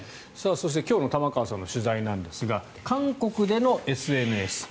そして今日の玉川さんの取材ですが韓国でのＳＮＳ。